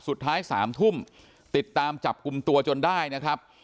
สุดท้ายสามทุ่มติดตามจับกุมตัวจนได้นะครับ